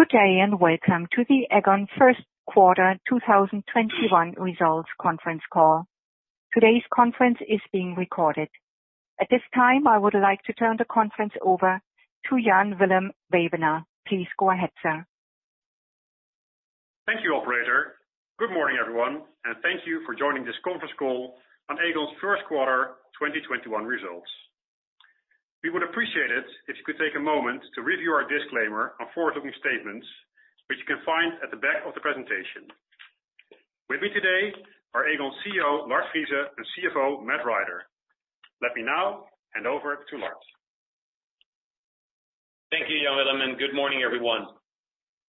Good day and welcome to the Aegon First Quarter 2021 Results Conference call. Today's conference is being recorded. At this time, I would like to turn the conference over to Jan Willem Weidema. Please go ahead, sir. Thank you, operator. Good morning, everyone, and thank you for joining this conference call on Aegon's First Quarter 2021 results. We would appreciate it if you could take a moment to review our disclaimer on forward-looking statements, which you can find at the back of the presentation. With me today are Aegon's CEO, Lard Friese, and CFO, Matt Rider. Let me now hand over to Lard. Thank you, Jan Willem, and good morning, everyone.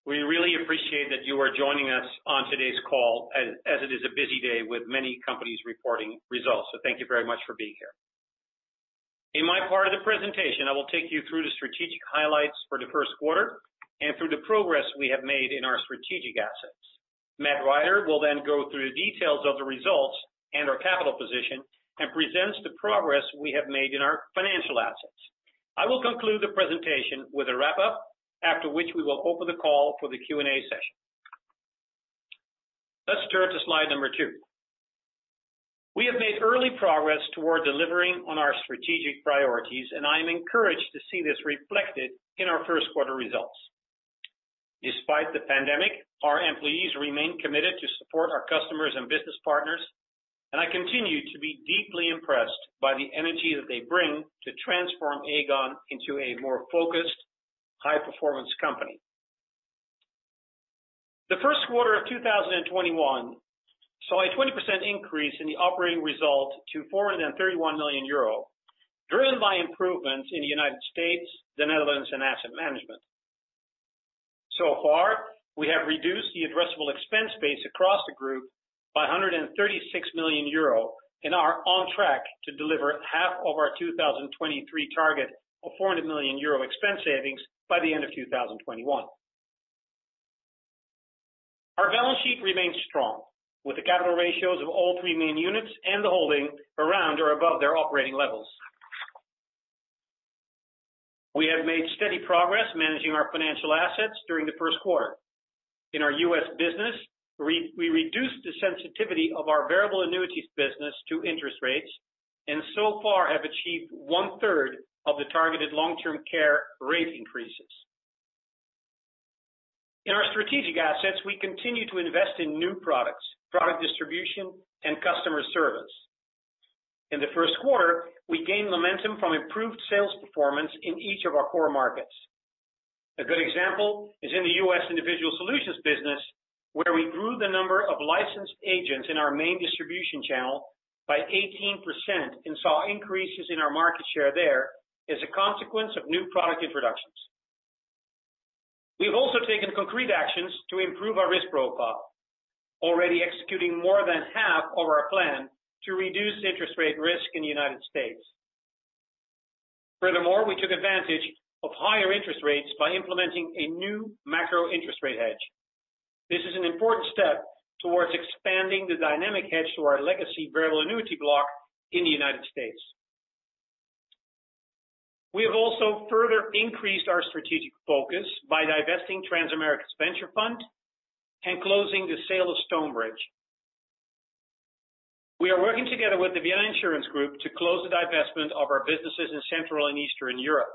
We really appreciate that you are joining us on today's call as it is a busy day with many companies reporting results, so thank you very much for being here. In my part of the presentation, I will take you through the strategic highlights for the first quarter and through the progress we have made in our strategic assets. Matt Rider will then go through the details of the results and our capital position and presents the progress we have made in our financial assets. I will conclude the presentation with a wrap-up, after which we will open the call for the Q&A session. Let's turn to slide number 2. We have made early progress toward delivering on our strategic priorities, and I am encouraged to see this reflected in our first quarter results. Despite the pandemic, our employees remain committed to support our customers and business partners, and I continue to be deeply impressed by the energy that they bring to transform Aegon into a more focused, high-performance company. The first quarter of 2021 saw a 20% increase in the operating result to 431 million euro, driven by improvements in the United States, the Netherlands, and asset management. So far, we have reduced the addressable expense base across the group by 136 million euro and are on track to deliver half of our 2023 target of 400 million euro expense savings by the end of 2021. Our balance sheet remains strong, with the capital ratios of all three main units and the holding around or above their operating levels. We have made steady progress managing our financial assets during the first quarter. In our U.S. business, we reduced the sensitivity of our Variable Annuities business to interest rates and so far have achieved one-third of the targeted Long-Term Care rate increases. In our strategic assets, we continue to invest in new products, product distribution, and customer service. In the first quarter, we gained momentum from improved sales performance in each of our core markets. A good example is in the U.S. Individual Solutions business, where we grew the number of licensed agents in our main distribution channel by 18% and saw increases in our market share there as a consequence of new product introductions. We've also taken concrete actions to improve our risk profile, already executing more than half of our plan to reduce interest rate risk in the United States. Furthermore, we took advantage of higher interest rates by implementing a new Macro Interest Rate Hedge. This is an important step towards expanding the dynamic hedge to our legacy variable annuity block in the United States. We have also further increased our strategic focus by divesting Transamerica's Venture Fund and closing the sale of Stonebridge. We are working together with the Vienna Insurance Group to close the divestment of our businesses in Central and Eastern Europe.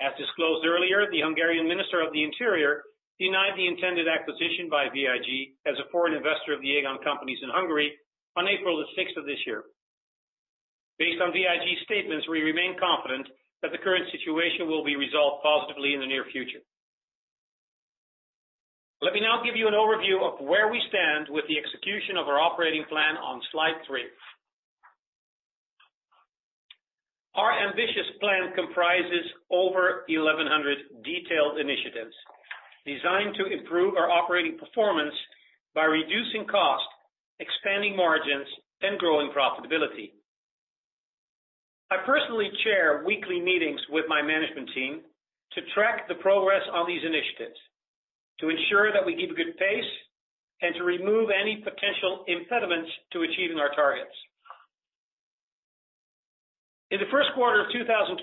As disclosed earlier, the Hungarian Minister of the Interior denied the intended acquisition by VIG as a foreign investor of the Aegon companies in Hungary on April the 6th of this year. Based on VIG's statements, we remain confident that the current situation will be resolved positively in the near future. Let me now give you an overview of where we stand with the execution of our operating plan on slide three. Our ambitious plan comprises over 1,100 detailed initiatives designed to improve our operating performance by reducing cost, expanding margins, and growing profitability. I personally chair weekly meetings with my management team to track the progress on these initiatives, to ensure that we keep a good pace, and to remove any potential impediments to achieving our targets. In the first quarter of 2021,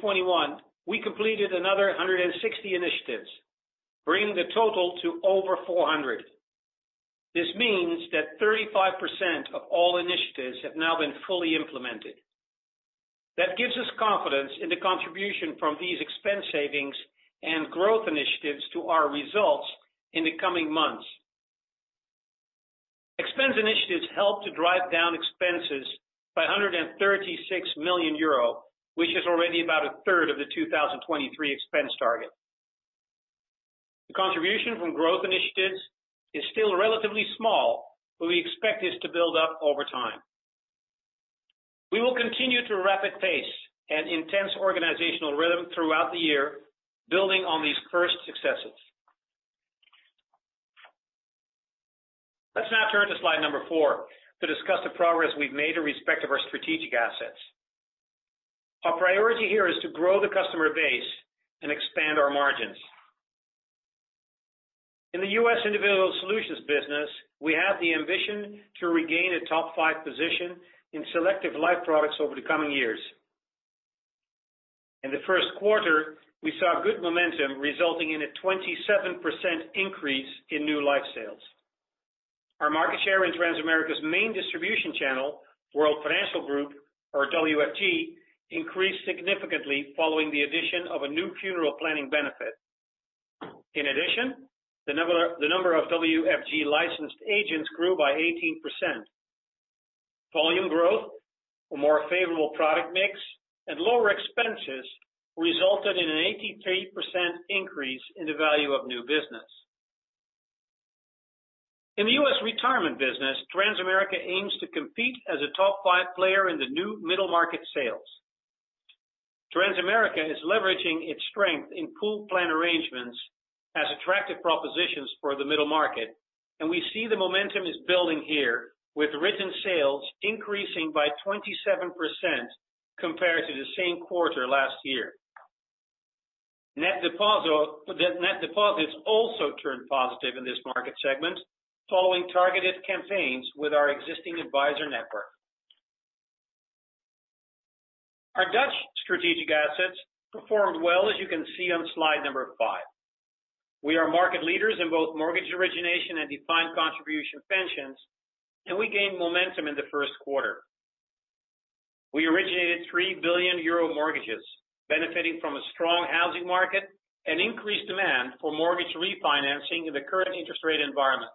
we completed another 160 initiatives, bringing the total to over 400. This means that 35% of all initiatives have now been fully implemented. That gives us confidence in the contribution from these expense savings and growth initiatives to our results in the coming months. Expense initiatives help to drive down expenses by 136 million euro, which is already about a third of the 2023 expense target. The contribution from growth initiatives is still relatively small, but we expect this to build up over time. We will continue the rapid pace and intense organizational rhythm throughout the year, building on these first successes. Let's now turn to slide number 4 to discuss the progress we've made with respect to our strategic assets. Our priority here is to grow the customer base and expand our margins. In the U.S. Individual Solutions business, we have the ambition to regain a top 5 position in selective life products over the coming years. In the first quarter, we saw good momentum resulting in a 27% increase in new life sales. Our market share in Transamerica's main distribution channel, World Financial Group, or WFG, increased significantly following the addition of a new funeral planning benefit. In addition, the number of WFG licensed agents grew by 18%. Volume growth, a more favorable product mix, and lower expenses resulted in an 83% increase in the value of new business. In the U.S. retirement business, Transamerica aims to compete as a top five player in the new middle market sales. Transamerica is leveraging its strength in pool plan arrangements as attractive propositions for the middle market, and we see the momentum is building here, with written sales increasing by 27% compared to the same quarter last year. Net deposits also turned positive in this market segment following targeted campaigns with our existing advisor network. Our Dutch strategic assets performed well, as you can see on slide number five. We are market leaders in both mortgage origination and defined contribution pensions, and we gained momentum in the first quarter. We originated 3 billion euro mortgages, benefiting from a strong housing market and increased demand for mortgage refinancing in the current interest rate environment.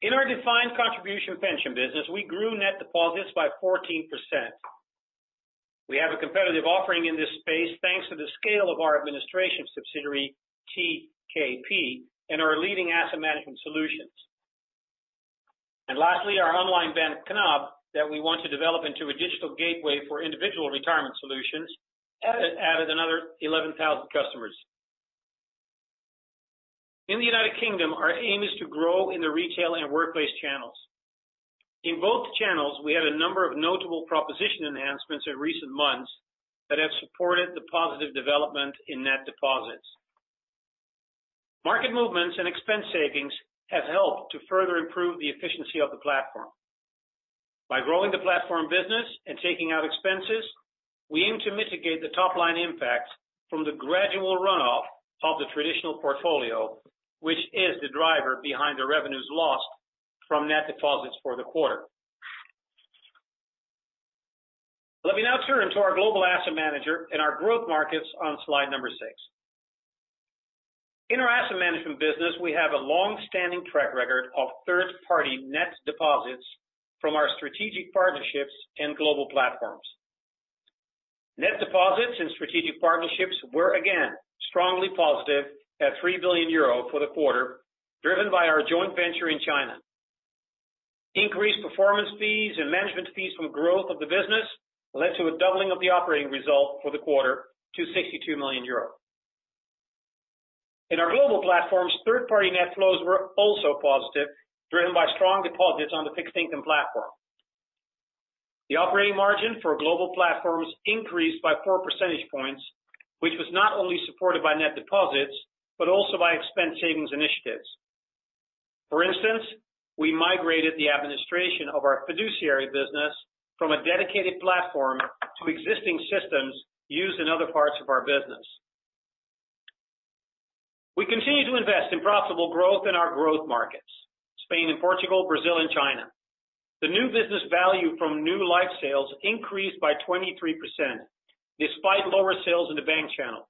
In our defined contribution pension business, we grew net deposits by 14%. We have a competitive offering in this space thanks to the scale of our administration subsidiary, TKP, and our leading asset management solutions. And lastly, our online bank Knab, that we want to develop into a digital gateway for individual retirement solutions, added another 11,000 customers. In the United Kingdom, our aim is to grow in the retail and workplace channels. In both channels, we had a number of notable proposition enhancements in recent months that have supported the positive development in net deposits. Market movements and expense savings have helped to further improve the efficiency of the platform. By growing the platform business and taking out expenses, we aim to mitigate the top-line impacts from the gradual runoff of the traditional portfolio, which is the driver behind the revenues lost from net deposits for the quarter. Let me now turn to our global asset manager and our growth markets on slide number six. In our asset management business, we have a longstanding track record of third-party net deposits from our strategic partnerships and global platforms. Net deposits and strategic partnerships were, again, strongly positive at 3 billion euro for the quarter, driven by our joint venture in China. Increased performance fees and management fees from growth of the business led to a doubling of the operating result for the quarter to 62 million euros. In our global platforms, third-party net flows were also positive, driven by strong deposits on the fixed income platform. The operating margin for global platforms increased by four percentage points, which was not only supported by net deposits but also by expense savings initiatives. For instance, we migrated the administration of our fiduciary business from a dedicated platform to existing systems used in other parts of our business. We continue to invest in profitable growth in our growth markets, Spain and Portugal, Brazil, and China. The new business value from new life sales increased by 23% despite lower sales in the bank channel.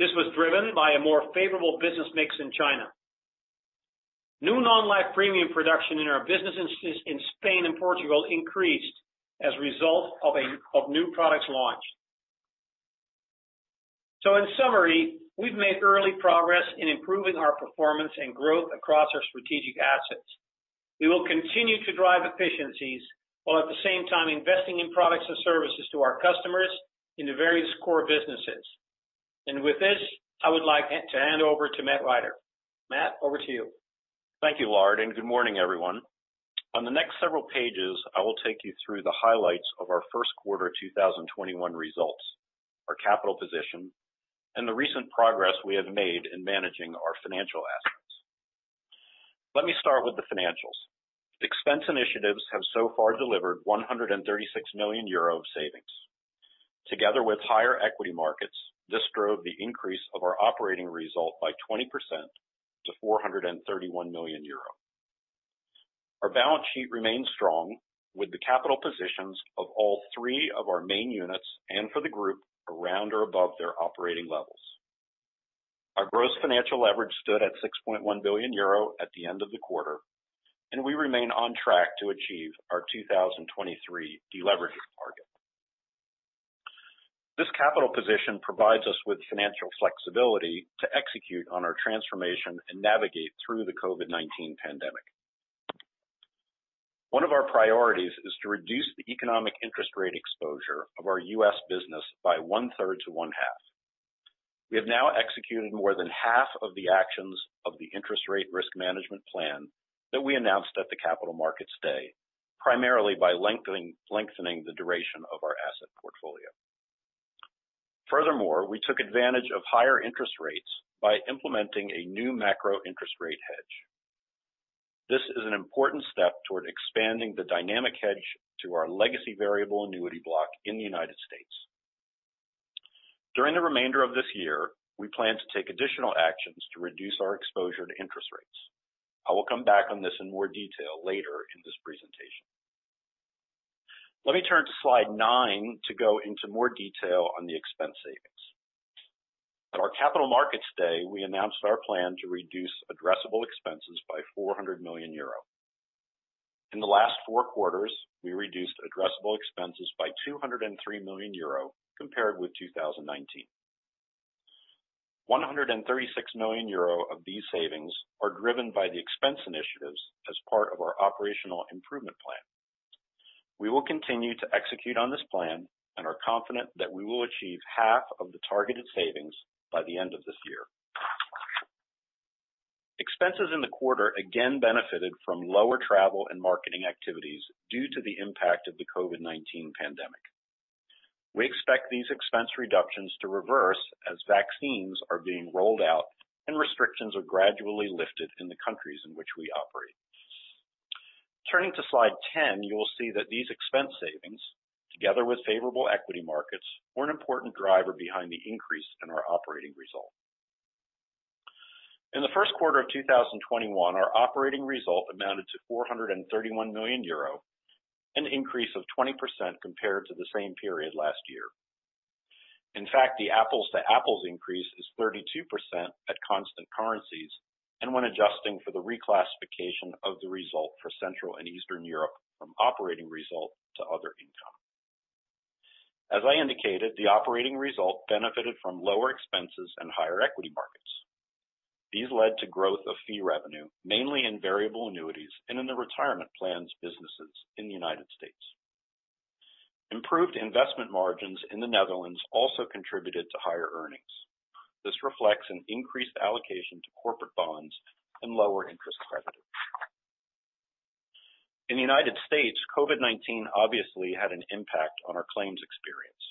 This was driven by a more favorable business mix in China. New non-life premium production in our businesses in Spain and Portugal increased as a result of new products launched. So in summary, we've made early progress in improving our performance and growth across our strategic assets. We will continue to drive efficiencies while at the same time investing in products and services to our customers in the various core businesses. And with this, I would like to hand over to Matt Rider. Matt, over to you. Thank you, Lard, and good morning, everyone. On the next several pages, I will take you through the highlights of our first quarter 2021 results, our capital position, and the recent progress we have made in managing our financial assets. Let me start with the financials. Expense initiatives have so far delivered 136 million euro of savings. Together with higher equity markets, this drove the increase of our operating result by 20% to 431 million euro. Our balance sheet remains strong with the capital positions of all three of our main units and for the group around or above their operating levels. Our gross financial leverage stood at 6.1 billion euro at the end of the quarter, and we remain on track to achieve our 2023 deleveraging target. This capital position provides us with financial flexibility to execute on our transformation and navigate through the COVID-19 pandemic. One of our priorities is to reduce the economic interest rate exposure of our U.S. business by one-third to one-half. We have now executed more than half of the actions of the interest rate risk management plan that we announced at the Capital Markets Day, primarily by lengthening the duration of our asset portfolio. Furthermore, we took advantage of higher interest rates by implementing a new macro interest rate hedge. This is an important step toward expanding the dynamic hedge to our legacy variable annuity block in the United States. During the remainder of this year, we plan to take additional actions to reduce our exposure to interest rates. I will come back on this in more detail later in this presentation. Let me turn to slide nine to go into more detail on the expense savings. At our Capital Markets Day, we announced our plan to reduce addressable expenses by 400 million euro. In the last four quarters, we reduced addressable expenses by 203 million euro compared with 2019. 136 million euro of these savings are driven by the expense initiatives as part of our operational improvement plan. We will continue to execute on this plan and are confident that we will achieve half of the targeted savings by the end of this year. Expenses in the quarter again benefited from lower travel and marketing activities due to the impact of the COVID-19 pandemic. We expect these expense reductions to reverse as vaccines are being rolled out and restrictions are gradually lifted in the countries in which we operate. Turning to slide 10, you will see that these expense savings, together with favorable equity markets, were an important driver behind the increase in our operating result. In the first quarter of 2021, our operating result amounted to 431 million euro, an increase of 20% compared to the same period last year. In fact, the apples-to-apples increase is 32% at constant currencies and when adjusting for the reclassification of the result for Central and Eastern Europe from operating result to other income. As I indicated, the operating result benefited from lower expenses and higher equity markets. These led to growth of fee revenue, mainly in Variable Annuities and in the Retirement Plans businesses in the United States. Improved investment margins in the Netherlands also contributed to higher earnings. This reflects an increased allocation to corporate bonds and lower interest credits. In the United States, COVID-19 obviously had an impact on our claims experience.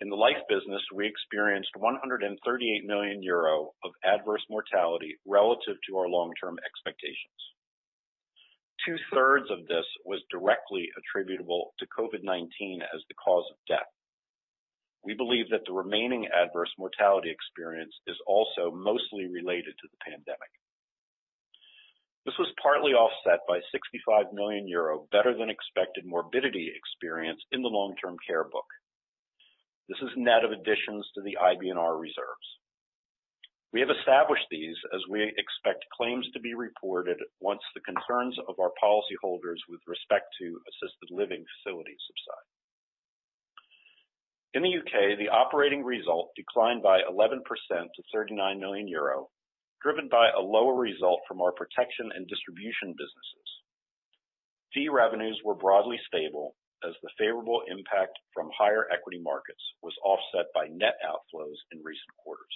In the life business, we experienced 138 million euro of adverse mortality relative to our long-term expectations. Two-thirds of this was directly attributable to COVID-19 as the cause of death. We believe that the remaining adverse mortality experience is also mostly related to the pandemic. This was partly offset by 65 million euro better-than-expected morbidity experience in the long-term care book. This is net of additions to the IBNR reserves. We have established these as we expect claims to be reported once the concerns of our policyholders with respect to assisted living facilities subside. In the U.K., the operating result declined by 11% to 39 million euro, driven by a lower result from our protection and distribution businesses. Fee revenues were broadly stable as the favorable impact from higher equity markets was offset by net outflows in recent quarters.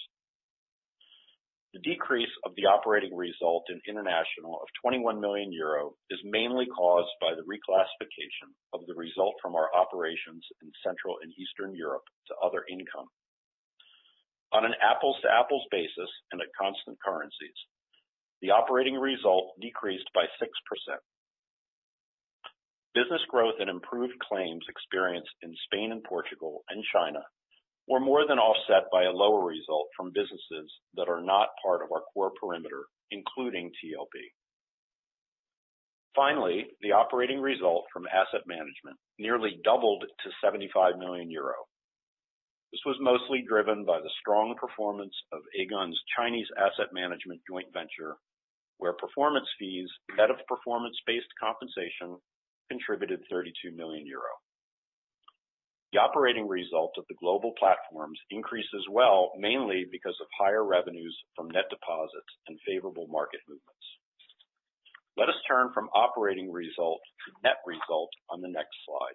The decrease of the operating result in international of 21 million euro is mainly caused by the reclassification of the result from our operations in Central and Eastern Europe to other income. On an apples-to-apples basis and at constant currencies, the operating result decreased by 6%. Business growth and improved claims experience in Spain and Portugal and China were more than offset by a lower result from businesses that are not part of our core perimeter, including TLB. Finally, the operating result from asset management nearly doubled to 75 million euro. This was mostly driven by the strong performance of Aegon's Chinese asset management joint venture, where performance fees net of performance-based compensation contributed 32 million euro. The operating result of the global platforms increases well, mainly because of higher revenues from net deposits and favorable market movements. Let us turn from operating result to net result on the next slide.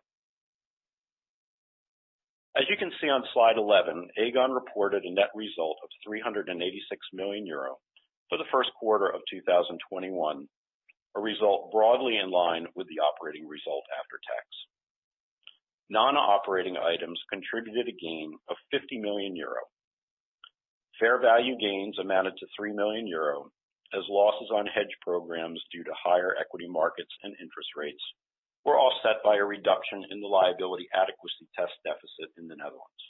As you can see on slide 11, Aegon reported a net result of 386 million euro for the first quarter of 2021, a result broadly in line with the operating result after tax. Non-operating items contributed a gain of 50 million euro. Fair value gains amounted to 3 million euro, as losses on hedge programs due to higher equity markets and interest rates were offset by a reduction in the liability adequacy test deficit in the Netherlands.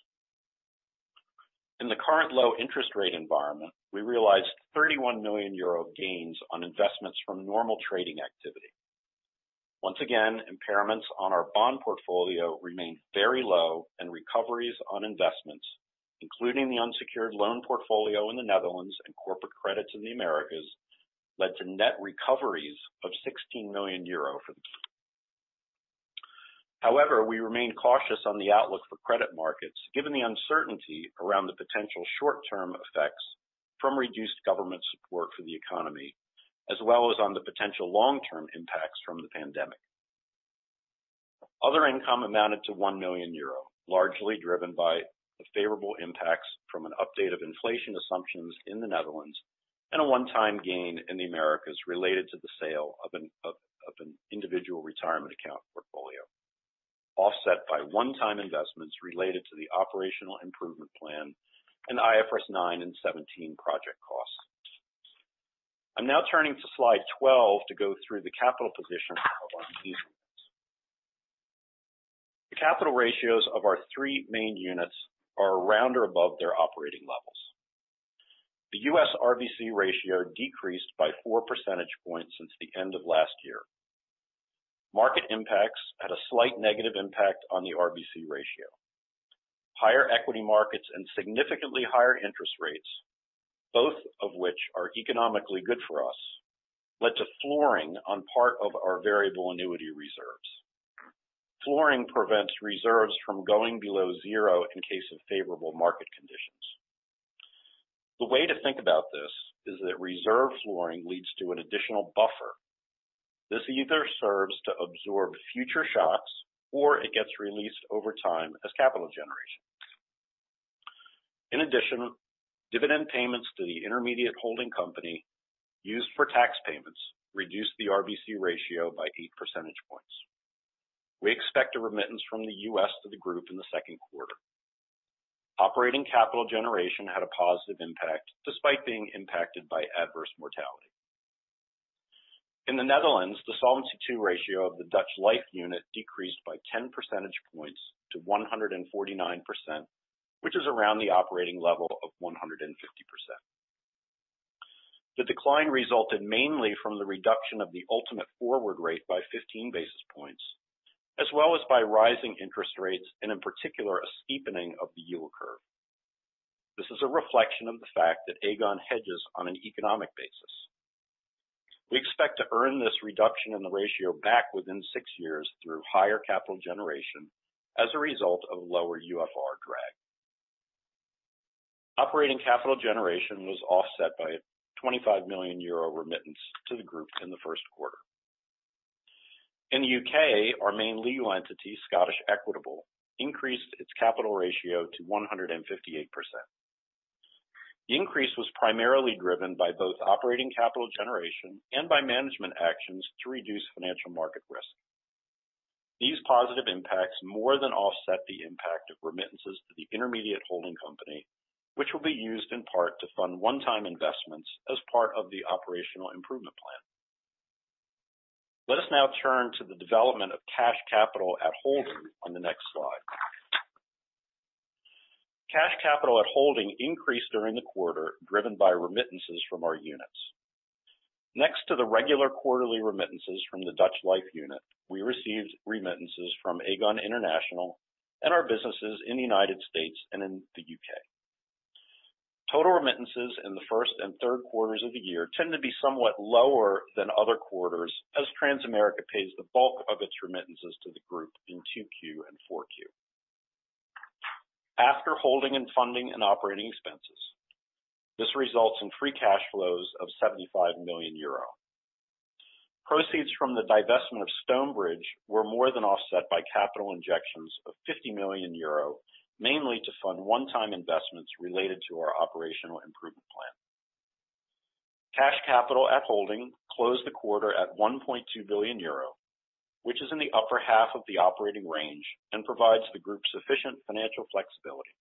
In the current low interest rate environment, we realized 31 million euro gains on investments from normal trading activity. Once again, impairments on our bond portfolio remain very low, and recoveries on investments, including the unsecured loan portfolio in the Netherlands and corporate credits in the Americas, led to net recoveries of 16 million euro for the quarter. However, we remain cautious on the outlook for credit markets given the uncertainty around the potential short-term effects from reduced government support for the economy, as well as on the potential long-term impacts from the pandemic. Other income amounted to 1 million euro, largely driven by the favorable impacts from an update of inflation assumptions in the Netherlands and a one-time gain in the Americas related to the sale of an individual retirement account portfolio, offset by one-time investments related to the operational improvement plan and IFRS 9 and 17 project costs. I'm now turning to slide 12 to go through the capital position of our main units. The capital ratios of our three main units are around or above their operating levels. The U.S. RBC ratio decreased by four percentage points since the end of last year. Market impacts had a slight negative impact on the RBC ratio. Higher equity markets and significantly higher interest rates, both of which are economically good for us, led to flooring on part of our variable annuity reserves. Flooring prevents reserves from going below zero in case of favorable market conditions. The way to think about this is that reserve flooring leads to an additional buffer. This either serves to absorb future shocks or it gets released over time as capital generation. In addition, dividend payments to the intermediate holding company used for tax payments reduced the RBC ratio by 8 percentage points. We expect a remittance from the U.S. to the group in the second quarter. Operating capital generation had a positive impact despite being impacted by adverse mortality. In the Netherlands, the Solvency II ratio of the Dutch life unit decreased by 10 percentage points to 149%, which is around the operating level of 150%. The decline resulted mainly from the reduction of the ultimate forward rate by 15 basis points, as well as by rising interest rates and in particular a steepening of the yield curve. This is a reflection of the fact that Aegon hedges on an economic basis. We expect to earn this reduction in the ratio back within six years through higher capital generation as a result of lower UFR drag. Operating capital generation was offset by a 25 million euro remittance to the group in the first quarter. In the U.K., our main legal entity, Scottish Equitable, increased its capital ratio to 158%. The increase was primarily driven by both operating capital generation and by management actions to reduce financial market risk. These positive impacts more than offset the impact of remittances to the intermediate holding company, which will be used in part to fund one-time investments as part of the operational improvement plan. Let us now turn to the development of cash capital at holding on the next slide. Cash capital at holding increased during the quarter driven by remittances from our units. Next to the regular quarterly remittances from the Dutch life unit, we received remittances from Aegon International and our businesses in the United States and in the U.K.. Total remittances in the first and third quarters of the year tend to be somewhat lower than other quarters as Transamerica pays the bulk of its remittances to the group in 2Q and 4Q. After holding and funding and operating expenses, this results in free cash flows of 75 million euro. Proceeds from the divestment of Stonebridge were more than offset by capital injections of 50 million euro, mainly to fund one-time investments related to our operational improvement plan. Cash capital at holding closed the quarter at 1.2 billion euro, which is in the upper half of the operating range and provides the group sufficient financial flexibility.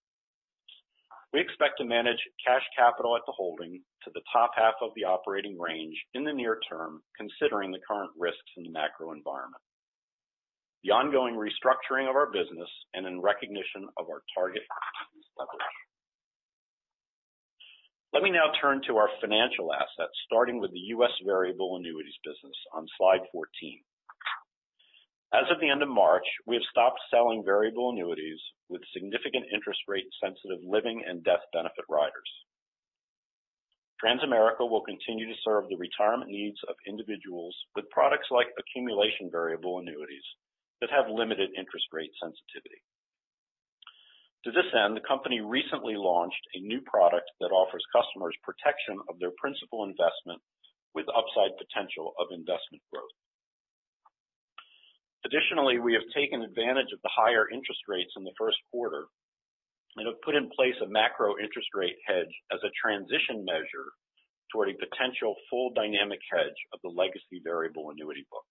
We expect to manage cash capital at the holding to the top half of the operating range in the near term considering the current risks in the macro environment, the ongoing restructuring of our business, and in recognition of our target leverage. Let me now turn to our financial assets, starting with the U.S. variable annuities business on slide 14. As of the end of March, we have stopped selling variable annuities with significant interest rate-sensitive living and death benefit riders. Transamerica will continue to serve the retirement needs of individuals with products like Accumulation Variable Annuities that have limited interest rate sensitivity. To this end, the company recently launched a new product that offers customers protection of their principal investment with upside potential of investment growth. Additionally, we have taken advantage of the higher interest rates in the first quarter and have put in place a Macro Interest Rate Hedge as a transition measure toward a potential full Dynamic Hedge of the legacy Variable Annuity book.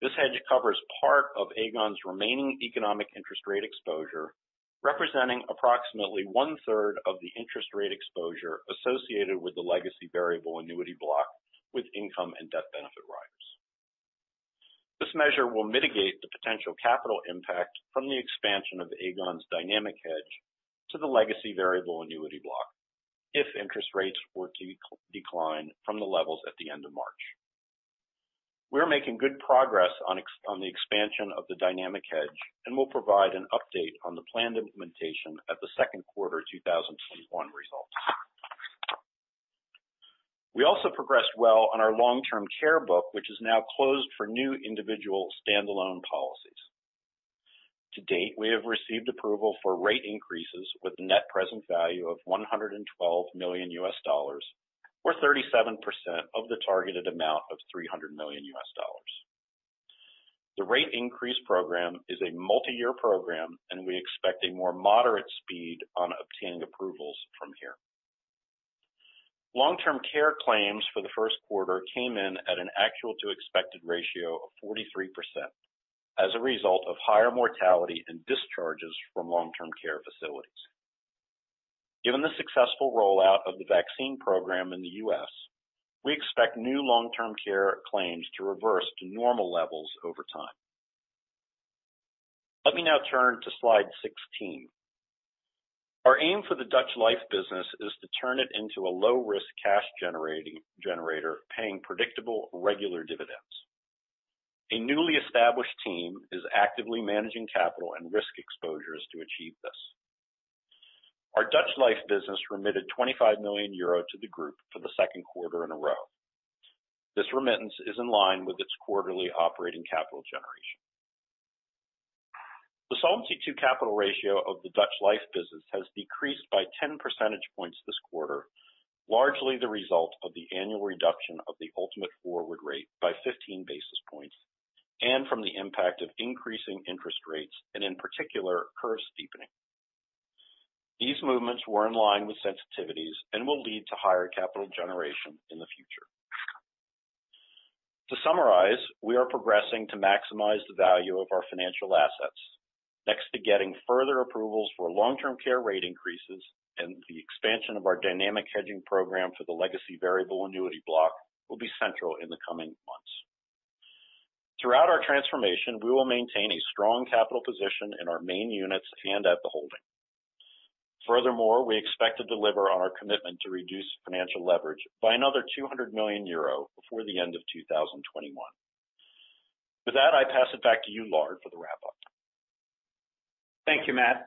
This hedge covers part of Aegon's remaining economic interest rate exposure, representing approximately one-third of the interest rate exposure associated with the legacy Variable Annuity block with income and death benefit riders. This measure will mitigate the potential capital impact from the expansion of Aegon's dynamic hedge to the legacy variable annuity block if interest rates were to decline from the levels at the end of March. We're making good progress on the expansion of the dynamic hedge and will provide an update on the planned implementation at the second quarter 2021 results. We also progressed well on our long-term care book, which is now closed for new individual standalone policies. To date, we have received approval for rate increases with a net present value of $112 million, or 37% of the targeted amount of $300 million. The rate increase program is a multi-year program, and we expect a more moderate speed on obtaining approvals from here. Long-term care claims for the first quarter came in at an actual-to-expected ratio of 43% as a result of higher mortality and discharges from long-term care facilities. Given the successful rollout of the vaccine program in the U.S., we expect new long-term care claims to reverse to normal levels over time. Let me now turn to slide 16. Our aim for the Dutch life business is to turn it into a low-risk cash generator paying predictable regular dividends. A newly established team is actively managing capital and risk exposures to achieve this. Our Dutch life business remitted 25 million euro to the group for the second quarter in a row. This remittance is in line with its quarterly operating capital generation. The Solvency II capital ratio of the Dutch life business has decreased by 10 percentage points this quarter, largely the result of the annual reduction of the ultimate forward rate by 15 basis points and from the impact of increasing interest rates and in particular curve steepening. These movements were in line with sensitivities and will lead to higher capital generation in the future. To summarize, we are progressing to maximize the value of our financial assets. Next to getting further approvals for long-term care rate increases and the expansion of our dynamic hedging program for the legacy variable annuity block will be central in the coming months. Throughout our transformation, we will maintain a strong capital position in our main units and at the holding. Furthermore, we expect to deliver on our commitment to reduce financial leverage by another 200 million euro before the end of 2021. With that, I pass it back to you, Lard, for the wrap-up. Thank you, Matt.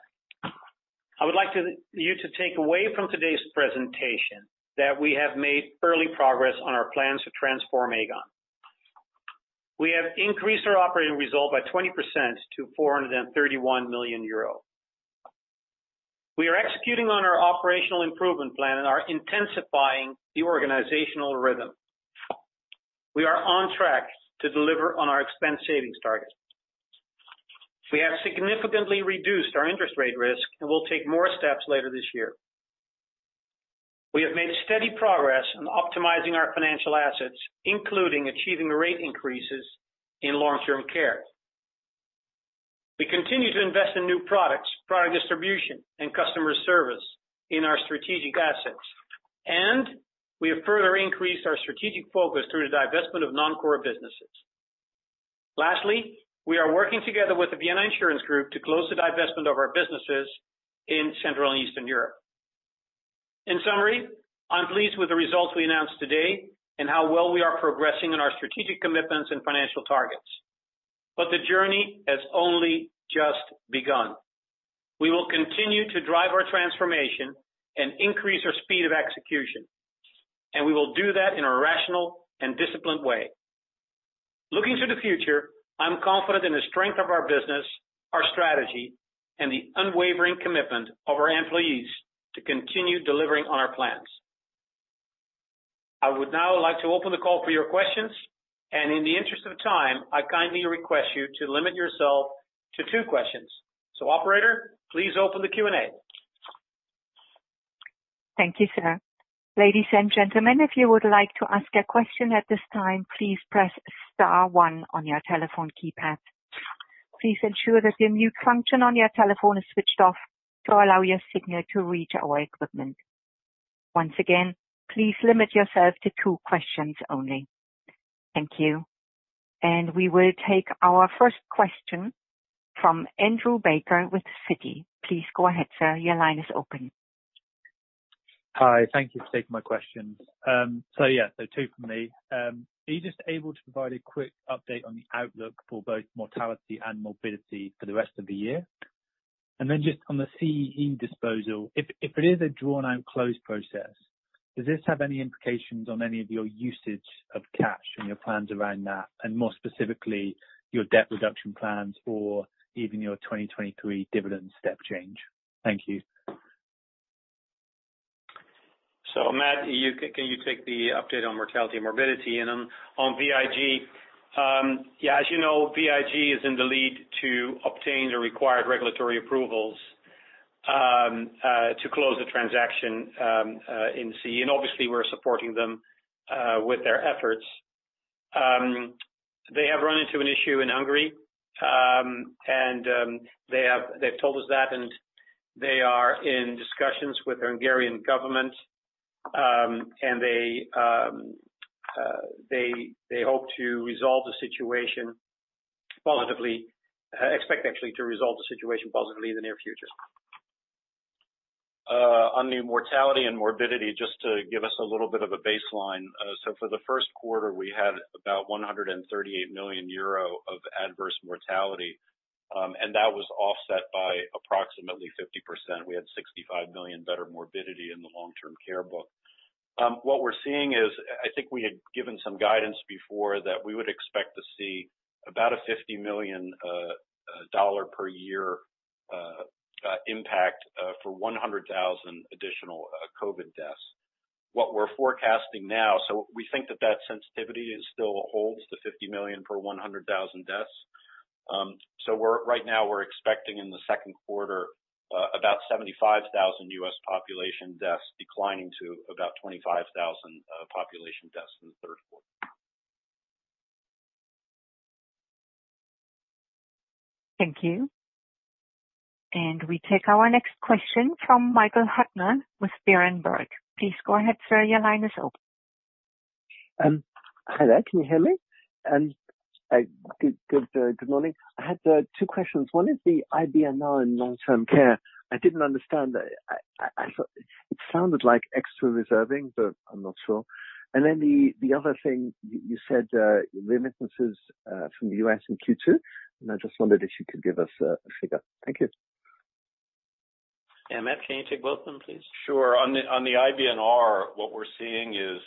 I would like you to take away from today's presentation that we have made early progress on our plans to transform Aegon. We have increased our operating result by 20% to 431 million euro. We are executing on our operational improvement plan and are intensifying the organizational rhythm. We are on track to deliver on our expense savings targets. We have significantly reduced our interest rate risk and will take more steps later this year. We have made steady progress in optimizing our financial assets, including achieving rate increases in long-term care. We continue to invest in new products, product distribution, and customer service in our strategic assets. And we have further increased our strategic focus through the divestment of non-core businesses. Lastly, we are working together with the Vienna Insurance Group to close the divestment of our businesses in Central and Eastern Europe. In summary, I'm pleased with the results we announced today and how well we are progressing in our strategic commitments and financial targets. But the journey has only just begun. We will continue to drive our transformation and increase our speed of execution. And we will do that in a rational and disciplined way. Looking to the future, I'm confident in the strength of our business, our strategy, and the unwavering commitment of our employees to continue delivering on our plans. I would now like to open the call for your questions. And in the interest of time, I kindly request you to limit yourself to two questions. So, operator, please open the Q&A. Thank you, sir. Ladies and gentlemen, if you would like to ask a question at this time, please press star one on your telephone keypad. Please ensure that the mute function on your telephone is switched off to allow your signal to reach our equipment. Once again, please limit yourself to two questions only. Thank you. We will take our first question from Andrew Baker with Citi. Please go ahead, sir. Your line is open. Hi. Thank you for taking my question. So yeah, so two from me. Are you just able to provide a quick update on the outlook for both mortality and morbidity for the rest of the year? And then just on the CEE disposal, if it is a drawn-out close process, does this have any implications on any of your usage of cash and your plans around that, and more specifically your debt reduction plans or even your 2023 dividend step change? Thank you. So Matt, can you take the update on mortality and morbidity? On VIG, yeah, as you know, VIG is in the lead to obtain the required regulatory approvals to close the transaction in CEE. Obviously, we're supporting them with their efforts. They have run into an issue in Hungary. They've told us that. They are in discussions with the Hungarian government. They hope to resolve the situation positively, expect actually to resolve the situation positively in the near future. On the mortality and morbidity, just to give us a little bit of a baseline. So for the first quarter, we had about 138 million euro of adverse mortality. And that was offset by approximately 50%. We had $65 million better morbidity in the long-term care book. What we're seeing is I think we had given some guidance before that we would expect to see about a $50 million per year impact for 100,000 additional COVID deaths. What we're forecasting now so we think that that sensitivity still holds, the $50 million per 100,000 deaths. So right now, we're expecting in the second quarter about 75,000 U.S. population deaths, declining to about 25,000 population deaths in the third quarter. Thank you. We take our next question from Michael Huttner with Berenberg. Please go ahead, sir. Your line is open. Hi there. Can you hear me? Good morning. I had two questions. One is the IBNR in Long-Term Care. I didn't understand. It sounded like extra reserving, but I'm not sure. And then the other thing, you said remittances from the U.S. in Q2. And I just wondered if you could give us a figure. Thank you. Yeah, Matt. Can you take both of them, please? Sure. On the IBNR, what we're seeing is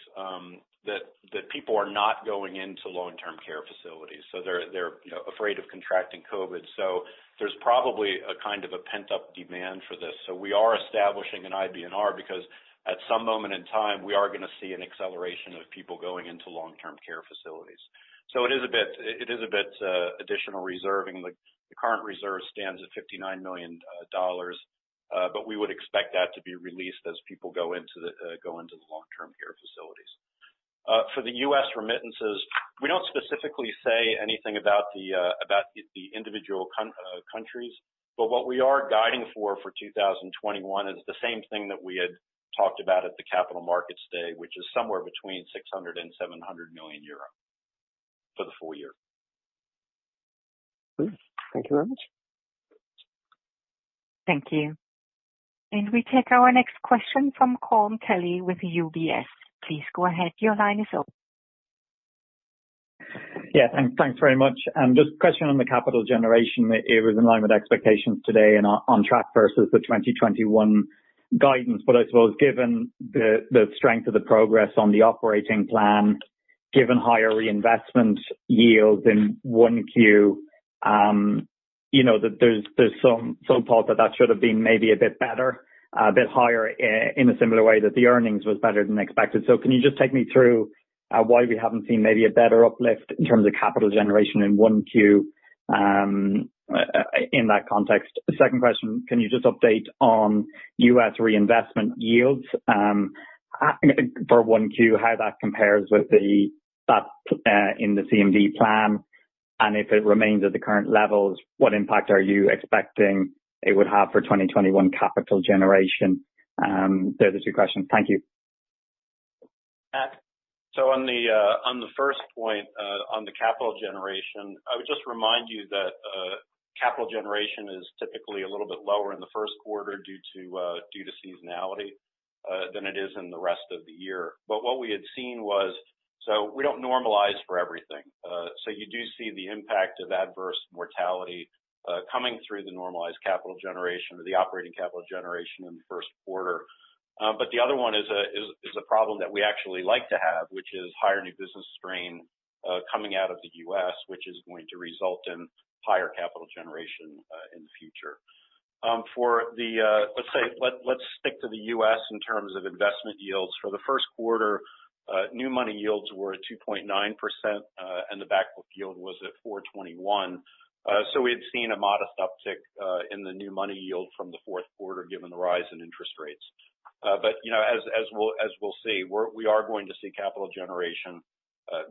that people are not going into long-term care facilities. So they're afraid of contracting COVID. So there's probably a kind of a pent-up demand for this. So we are establishing an IBNR because at some moment in time, we are going to see an acceleration of people going into long-term care facilities. So it is a bit additional reserving. The current reserve stands at $59 million. But we would expect that to be released as people go into the long-term care facilities. For the U.S. remittances, we don't specifically say anything about the individual countries. But what we are guiding for 2021 is the same thing that we had talked about at the Capital Markets Day, which is somewhere between 600 million euro and 700 million euro for the full year. Thank you very much. Thank you. We take our next question from Colm Kelly with UBS. Please go ahead. Your line is open. Yes. Thanks very much. Just a question on the capital generation. It was in line with expectations today and on track versus the 2021 guidance. But I suppose given the strength of the progress on the operating plan, given higher reinvestment yields in 1Q, there's some part that that should have been maybe a bit better, a bit higher in a similar way that the earnings was better than expected. So can you just take me through why we haven't seen maybe a better uplift in terms of capital generation in 1Q in that context? Second question, can you just update on U.S. reinvestment yields for 1Q, how that compares with that in the CMD plan? And if it remains at the current levels, what impact are you expecting it would have for 2021 capital generation? Those are two questions. Thank you. So on the first point, on the capital generation, I would just remind you that capital generation is typically a little bit lower in the first quarter due to seasonality than it is in the rest of the year. But what we had seen was so we don't normalize for everything. So you do see the impact of adverse mortality coming through the normalized capital generation or the operating capital generation in the first quarter. But the other one is a problem that we actually like to have, which is higher new business strain coming out of the U.S., which is going to result in higher capital generation in the future. Let's stick to the U.S. in terms of investment yields. For the first quarter, new money yields were at 2.9%. And the backbook yield was at 4.21%. So we had seen a modest uptick in the new money yield from the fourth quarter given the rise in interest rates. But as we'll see, we are going to see capital generation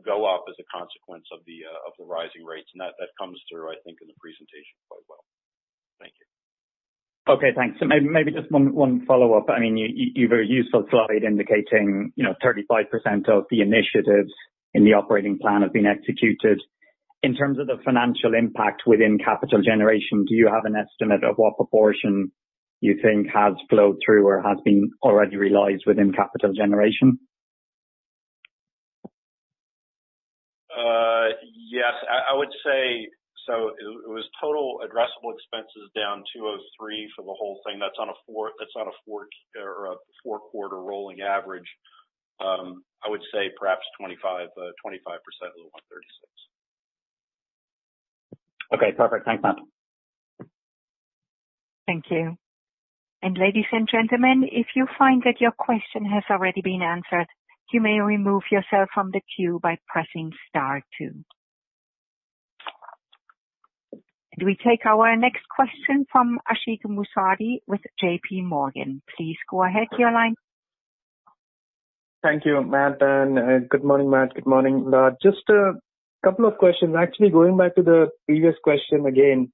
go up as a consequence of the rising rates. And that comes through, I think, in the presentation quite well. Thank you. Okay. Thanks. So maybe just one follow-up. I mean, you've a useful slide indicating 35% of the initiatives in the operating plan have been executed. In terms of the financial impact within capital generation, do you have an estimate of what proportion you think has flowed through or has been already realized within capital generation? Yes. So it was total addressable expenses down 203 for the whole thing. That's on a fourth or a four-quarter rolling average. I would say perhaps 25% of the 136. Okay. Perfect. Thanks, Matt. Thank you. And ladies and gentlemen, if you find that your question has already been answered, you may remove yourself from the queue by pressing star two. And we take our next question from Ashik Musaddi with JPMorgan. Please go ahead. Your line. Thank you, Matt. And good morning, Matt. Good morning, Lard. Just a couple of questions. Actually, going back to the previous question again,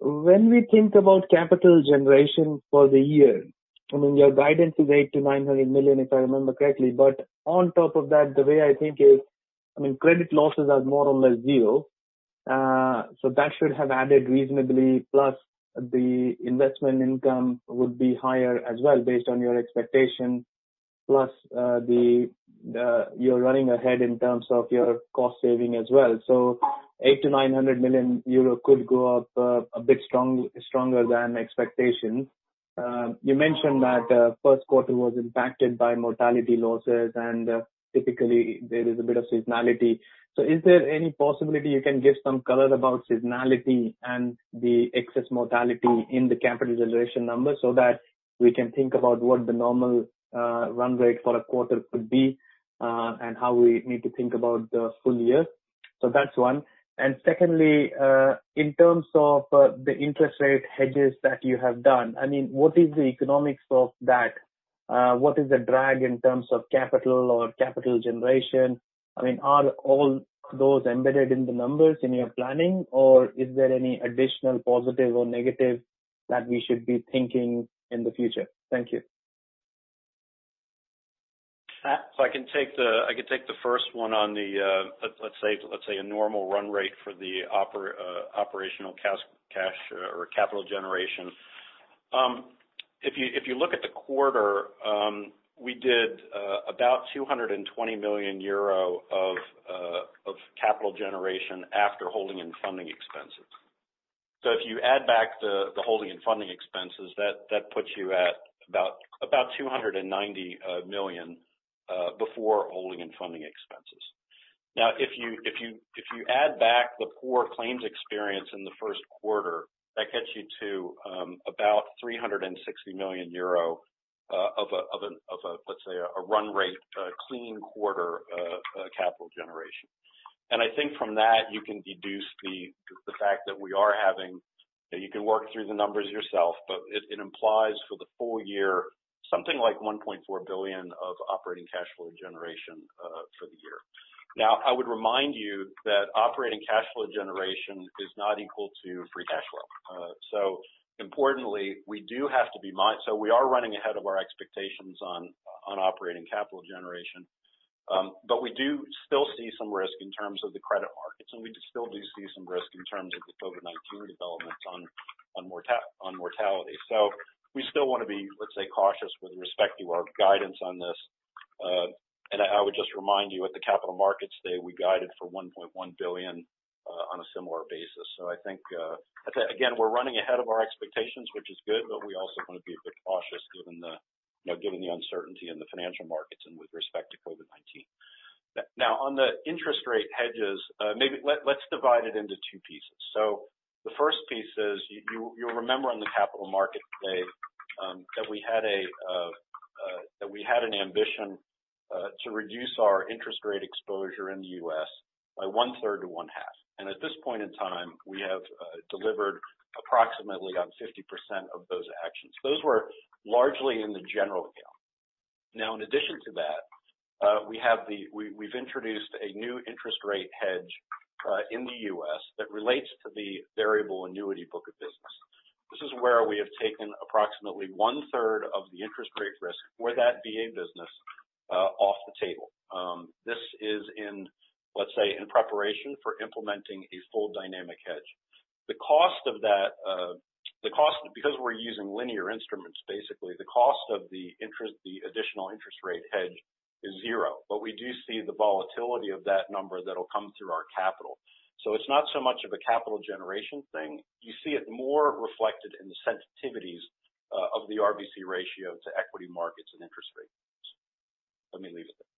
when we think about capital generation for the year, I mean, your guidance is 800 million-900 million, if I remember correctly. But on top of that, the way I think is, I mean, credit losses are more or less zero. So that should have added reasonably, plus the investment income would be higher as well based on your expectation, plus you're running ahead in terms of your cost saving as well. So 800 million-900 million euro could go up a bit stronger than expectation. You mentioned that first quarter was impacted by mortality losses. And typically, there is a bit of seasonality. So is there any possibility you can give some color about seasonality and the excess mortality in the capital generation numbers so that we can think about what the normal run rate for a quarter could be and how we need to think about the full year? So that's one. And secondly, in terms of the interest rate hedges that you have done, I mean, what is the economics of that? What is the drag in terms of capital or capital generation? I mean, are all those embedded in the numbers in your planning? Or is there any additional positive or negative that we should be thinking in the future? Thank you. So I can take the first one on the, let's say, a normal run rate for the operational cash or capital generation. If you look at the quarter, we did about 220 million euro of capital generation after holding and funding expenses. So if you add back the holding and funding expenses, that puts you at about 290 million before holding and funding expenses. Now, if you add back the poor claims experience in the first quarter, that gets you to about 360 million euro of a, let's say, a run rate, clean quarter capital generation. And I think from that, you can deduce the fact that we are having you can work through the numbers yourself. But it implies for the full year, something like 1.4 billion of operating cash flow generation for the year. Now, I would remind you that operating cash flow generation is not equal to free cash flow. So importantly, we do have to be, so we are running ahead of our expectations on operating capital generation. But we do still see some risk in terms of the credit markets. And we still do see some risk in terms of the COVID-19 developments on mortality. So we still want to be, let's say, cautious with respect to our guidance on this. And I would just remind you, at the Capital Markets Day, we guided for 1.1 billion on a similar basis. So I think, again, we're running ahead of our expectations, which is good. But we also want to be a bit cautious given the uncertainty in the financial markets and with respect to COVID-19. Now, on the interest rate hedges, maybe let's divide it into two pieces. So the first piece is you'll remember on the Capital Markets Day that we had an ambition to reduce our interest rate exposure in the U.S. by one-third to one-half. And at this point in time, we have delivered approximately on 50% of those actions. Those were largely in the general account. Now, in addition to that, we've introduced a new interest rate hedge in the U.S. that relates to the variable annuity book of business. This is where we have taken approximately one-third of the interest rate risk for that VA business off the table. This is in, let's say, in preparation for implementing a full dynamic hedge. The cost of that because we're using linear instruments, basically, the cost of the additional interest rate hedge is zero. But we do see the volatility of that number that'll come through our capital. It's not so much of a capital generation thing. You see it more reflected in the sensitivities of the RBC ratio to equity markets and interest rates. Let me leave it there.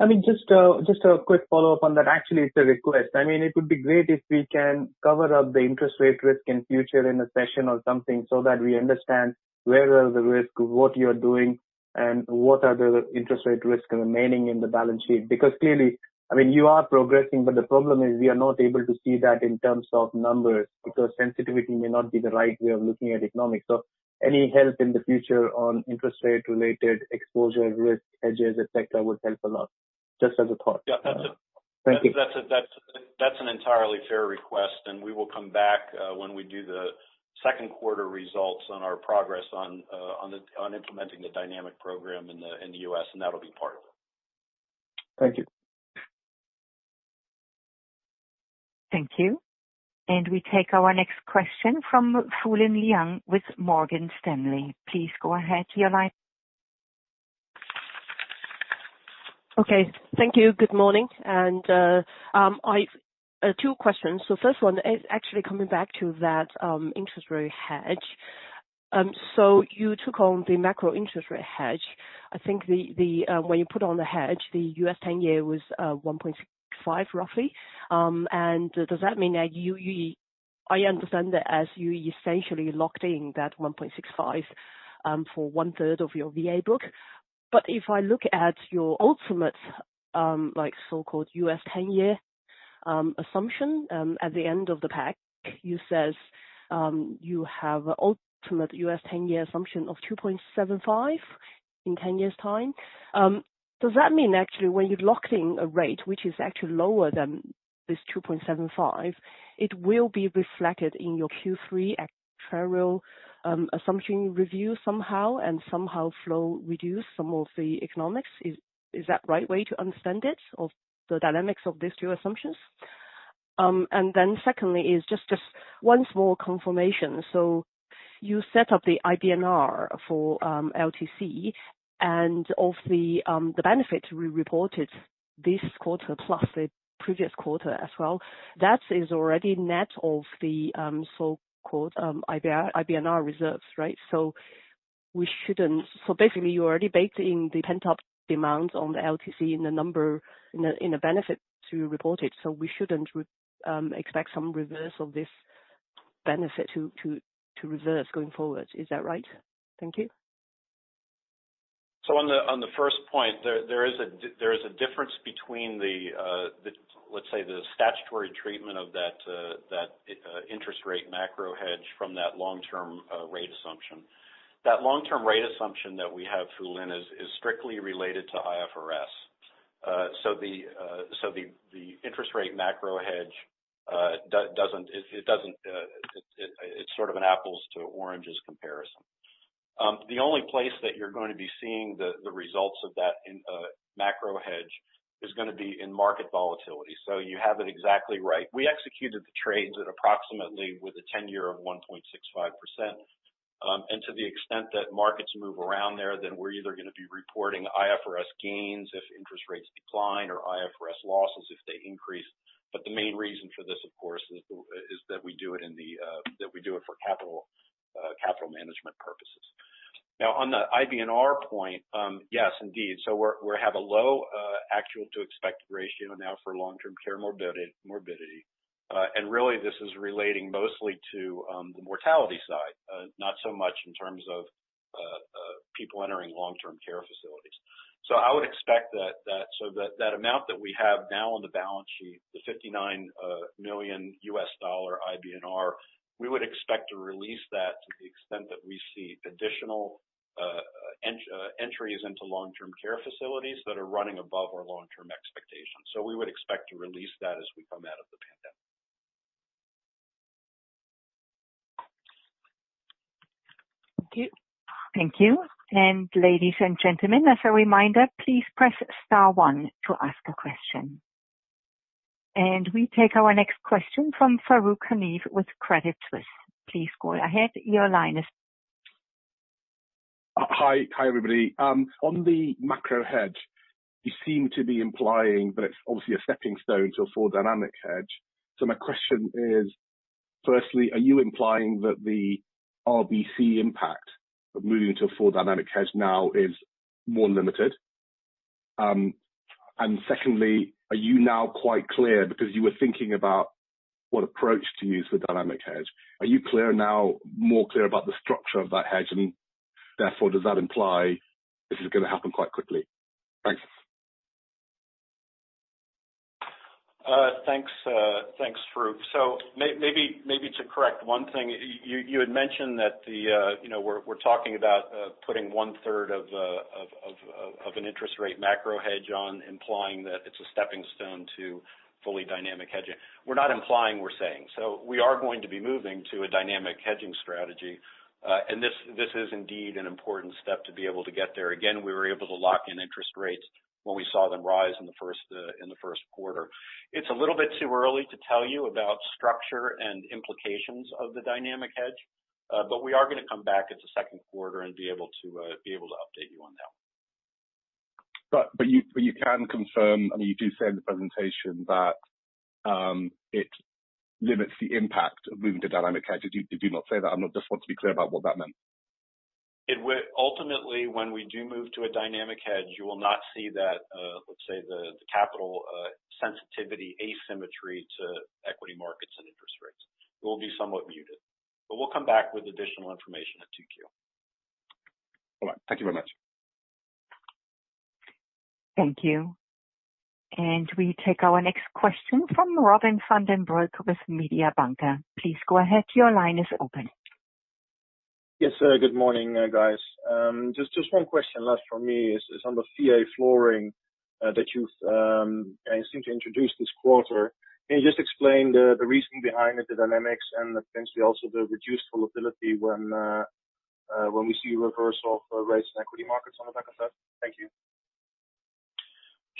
I mean, just a quick follow-up on that. Actually, it's a request. I mean, it would be great if we can cover up the interest rate risk in future in a session or something so that we understand where are the risks, what you're doing, and what are the interest rate risks remaining in the balance sheet. Because clearly, I mean, you are progressing. But the problem is we are not able to see that in terms of numbers because sensitivity may not be the right way of looking at economics. So any help in the future on interest rate-related exposure risk hedges, etc., would help a lot, just as a thought. Yeah. Thank you. That's an entirely fair request. We will come back when we do the second quarter results on our progress on implementing the dynamic program in the U.S.. That'll be part of it. Thank you. Thank you. We take our next question from Fulin Liang with Morgan Stanley. Please go ahead. Your line. Okay. Thank you. Good morning. And two questions. So first one, actually coming back to that interest rate hedge. So you took on the macro interest rate hedge. I think when you put on the hedge, the U.S. 10-year was 1.65%, roughly. And does that mean that I understand that as you essentially locked in that 1.65% for one-third of your VA book? But if I look at your ultimate so-called U.S. 10-year assumption, at the end of the pack, you say you have an ultimate U.S. 10-year assumption of 2.75% in 10 years' time. Does that mean, actually, when you're locked in a rate, which is actually lower than this 2.75%, it will be reflected in your Q3 actuarial assumption review somehow and somehow flow reduce some of the economics? Is that the right way to understand it, the dynamics of these two assumptions? Then secondly, just one small confirmation. So you set up the IBNR for LTC. And of the benefits we reported this quarter plus the previous quarter as well, that is already net of the so-called IBNR reserves, right? So basically, you're already baked in the pent-up demands on the LTC in the benefit to report it. So we shouldn't expect some reverse of this benefit to reverse going forward. Is that right? Thank you. So on the first point, there is a difference between, let's say, the statutory treatment of that interest rate macro hedge from that long-term rate assumption. That long-term rate assumption that we have, Fulin, is strictly related to IFRS. So the interest rate macro hedge, it's sort of an apples-to-oranges comparison. The only place that you're going to be seeing the results of that macro hedge is going to be in market volatility. So you have it exactly right. We executed the trades at approximately with a 10-year of 1.65%. And to the extent that markets move around there, then we're either going to be reporting IFRS gains if interest rates decline or IFRS losses if they increase. But the main reason for this, of course, is that we do it for capital management purposes. Now, on the IBNR point, yes, indeed. We have a low actual-to-expected ratio now for long-term care morbidity. And really, this is relating mostly to the mortality side, not so much in terms of people entering long-term care facilities. So I would expect that so that amount that we have now on the balance sheet, the $59 million IBNR, we would expect to release that to the extent that we see additional entries into long-term care facilities that are running above our long-term expectations. So we would expect to release that as we come out of the pandemic. Thank you. Ladies and gentlemen, as a reminder, please press star one to ask a question. We take our next question from Farooq Hanif with Credit Suisse. Please go ahead. Your line is. Hi, everybody. On the macro hedge, you seem to be implying that it's obviously a stepping stone to a full dynamic hedge. So my question is, firstly, are you implying that the RBC impact of moving to a full dynamic hedge now is more limited? And secondly, are you now quite clear because you were thinking about what approach to use for dynamic hedge? Are you clear now, more clear about the structure of that hedge? And therefore, does that imply this is going to happen quite quickly? Thanks. Thanks, Farooq. So maybe to correct one thing, you had mentioned that we're talking about putting one-third of an interest rate macro hedge on, implying that it's a stepping stone to fully dynamic hedging. We're not implying, we're saying. So we are going to be moving to a dynamic hedging strategy. And this is indeed an important step to be able to get there. Again, we were able to lock in interest rates when we saw them rise in the first quarter. It's a little bit too early to tell you about structure and implications of the dynamic hedge. But we are going to come back at the second quarter and be able to update you on that. But you can confirm I mean, you do say in the presentation that it limits the impact of moving to dynamic hedge. Did you not say that? I just want to be clear about what that meant. Ultimately, when we do move to a dynamic hedge, you will not see that, let's say, the capital sensitivity asymmetry to equity markets and interest rates. It will be somewhat muted. But we'll come back with additional information at 2:00 P.M.. All right. Thank you very much. Thank you. We take our next question from Robin van den Broek with Mediobanca. Please go ahead. Your line is open. Yes, sir. Good morning, guys. Just one question left for me is on the VA flooring that you've seemed to introduce this quarter. Can you just explain the reasoning behind it, the dynamics, and potentially also the reduced volatility when we see a reverse of rates in equity markets on the back of that? Thank you.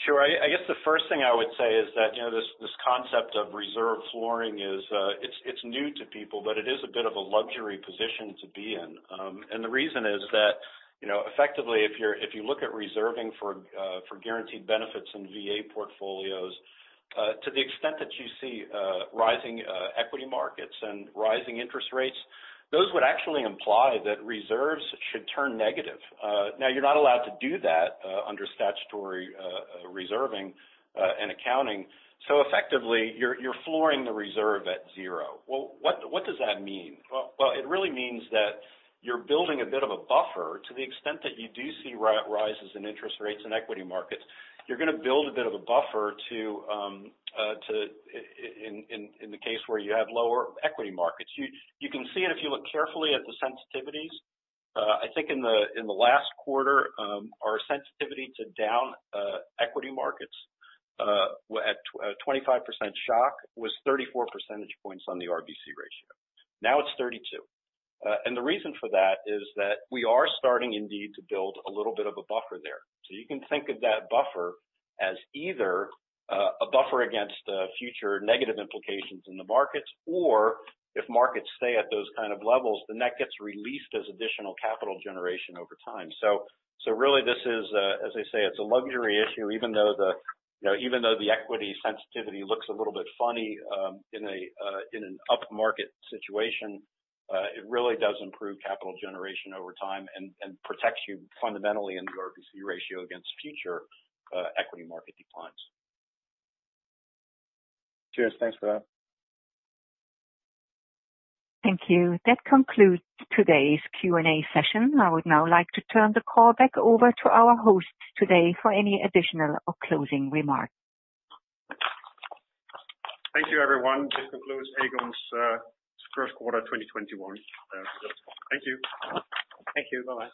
Sure. I guess the first thing I would say is that this concept of reserve flooring, it's new to people. But it is a bit of a luxury position to be in. And the reason is that effectively, if you look at reserving for guaranteed benefits in VA portfolios, to the extent that you see rising equity markets and rising interest rates, those would actually imply that reserves should turn negative. Now, you're not allowed to do that under statutory reserving and accounting. So effectively, you're flooring the reserve at zero. Well, what does that mean? Well, it really means that you're building a bit of a buffer to the extent that you do see rises in interest rates in equity markets. You're going to build a bit of a buffer in the case where you have lower equity markets. You can see it if you look carefully at the sensitivities. I think in the last quarter, our sensitivity to down equity markets at 25% shock was 34 percentage points on the RBC ratio. Now, it's 32%. The reason for that is that we are starting, indeed, to build a little bit of a buffer there. You can think of that buffer as either a buffer against future negative implications in the markets or if markets stay at those kind of levels, then that gets released as additional capital generation over time. Really, as I say, it's a luxury issue. Even though the equity sensitivity looks a little bit funny in an up-market situation, it really does improve capital generation over time and protects you fundamentally in the RBC ratio against future equity market declines. Cheers. Thanks for that. Thank you. That concludes today's Q&A session. I would now like to turn the call back over to our host today for any additional or closing remarks. Thank you, everyone. This concludes Aegon's first quarter 2021. Thank you. Thank you. Bye.